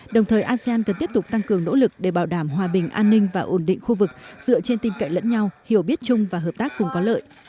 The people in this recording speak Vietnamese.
đồng thời asean cần tiếp tục tăng cường nỗ lực để bảo đảm hòa bình an ninh và ổn định khu vực dựa trên tin cậy lẫn nhau hiểu biết chung và hợp tác cùng có lợi